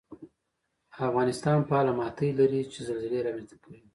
افغانستان فعاله ماتې لري چې زلزلې رامنځته کوي